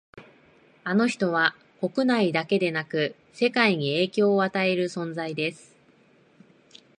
あの人は国内だけでなく世界に影響を与える存在です